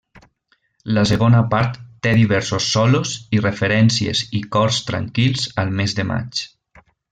La segona part té diversos solos i referències i cors tranquils al mes de maig.